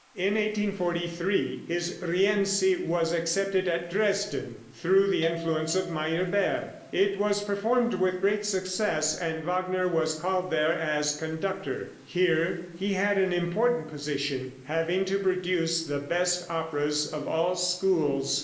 In 1843 his "Rienzi" was accepted at Dresden, through the influence of Meyerbeer. It was performed with great success, and Wagner was called there as conductor. Here he had an important position, having to produce the best operas of all schools.